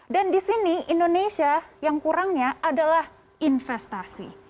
dan di sini indonesia yang kurangnya adalah investasi